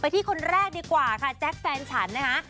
ที่คนแรกดีกว่าค่ะแจ๊คแฟนฉันนะคะ